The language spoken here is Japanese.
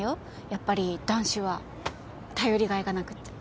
やっぱり男子は頼りがいがなくっちゃ。